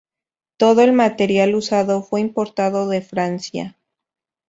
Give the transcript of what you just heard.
Todo el material usado fue importado de Francia.